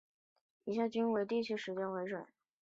以下均为当地时间为准。